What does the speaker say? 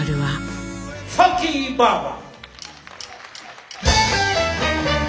「ファンキーバァバ」。